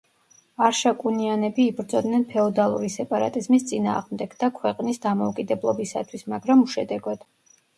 არშაკუნიანები იბრძოდნენ ფეოდალური სეპარატიზმის წინააღმდეგ და ქვეყნის დამოუკიდებლობისათვის, მაგრამ უშედეგოდ.